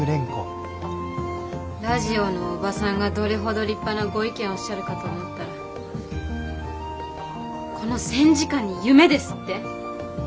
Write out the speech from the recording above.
ラジオのおばさんがどれほど立派なご意見をおっしゃるかと思ったらこの戦時下に夢ですって？